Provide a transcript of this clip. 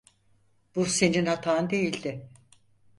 Bu senin hatan değildi.